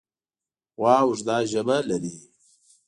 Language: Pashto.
غوا اوږده ژبه لري.